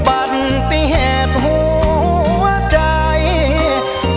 อุบันติเหตุหัวหัวใจหุกรณีรักกันบ่มีส่องเองชายเอง